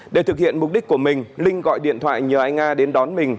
để thực hiện mục đích của mình linh gọi điện thoại nhờ anh nga đến đón mình